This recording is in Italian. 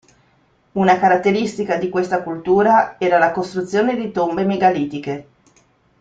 Una caratteristica di questa cultura era la costruzione di tombe megalitiche.